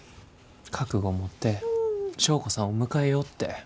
覚悟持って祥子さんを迎えようって。